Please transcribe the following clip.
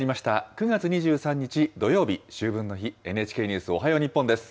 ９月２３日土曜日秋分の日、ＮＨＫニュースおはよう日本です。